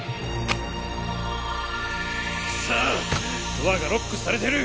ドアがロックされてる！